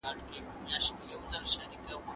مرسته کول ټولنيز ارزښت دی.